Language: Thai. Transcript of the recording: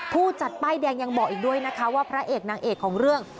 ผู้จัดป้ายแดงยังบอกอีกด้วยนะคะว่าพระเอกนางเอกของเรื่อง